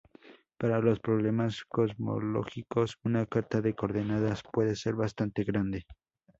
Para los problemas cosmológicos, una carta de coordenadas puede ser bastante grande.